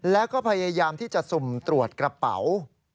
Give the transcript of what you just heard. แล้วก็พยายามที่จะสุ่มตรวจกระเป๋า